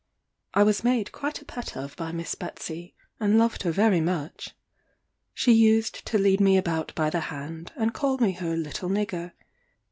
I was made quite a pet of by Miss Betsey, and loved her very much. She used to lead me about by the hand, and call me her little nigger.